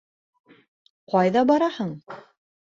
Ҡайҙа бараһың?